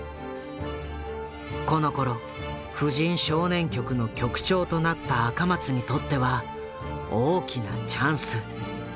このころ婦人少年局の局長となった赤松にとっては大きなチャンス。